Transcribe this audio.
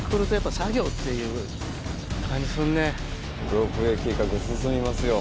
ロープウエー計画進みますよ。